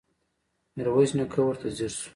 ميرويس نيکه ورته ځير شو.